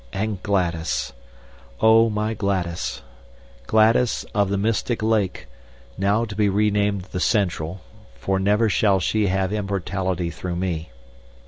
And Gladys oh, my Gladys! Gladys of the mystic lake, now to be re named the Central, for never shall she have immortality through me.